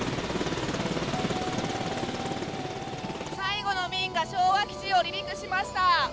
最後の便が昭和基地を離陸しました。